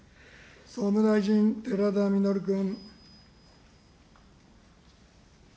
総務大臣、寺田稔君。